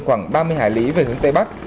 khoảng ba mươi hải lý về hướng tây bắc